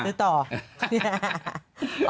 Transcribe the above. ซื้อไหน